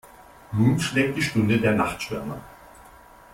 Nun schlägt die Stunde der Nachtschwärmer.